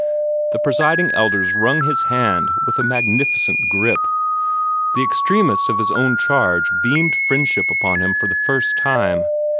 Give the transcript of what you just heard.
The Presiding Elders wrung his hand with a significant grip. The extremists of his own charge beamed friendship upon him for the first time.